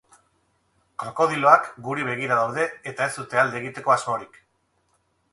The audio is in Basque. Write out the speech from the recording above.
Krokodiloak guri begira daude eta ez dute alde egiteko asmorik.